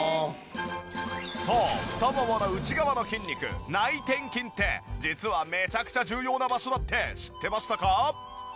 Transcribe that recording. そう太ももの内側の筋肉内転筋って実はめちゃくちゃ重要な場所だって知ってましたか？